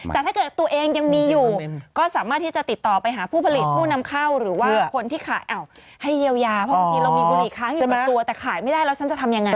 แต่ถ้าเกิดตัวเองยังมีอยู่ก็สามารถที่จะติดต่อไปหาผู้ผลิตผู้นำเข้าหรือว่าคนที่ขายให้เยียวยาเพราะบางทีเรามีบุหรี่ค้างอยู่ในตัวแต่ขายไม่ได้แล้วฉันจะทำยังไง